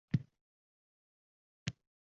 Toki bu boshqalarga ham saboq boʻlar edi.